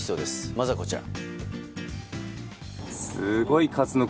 まずはこちら。